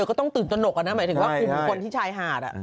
ก็ต้องตื่นตนกหมายถึงว่าคุมคนที่ชายหาด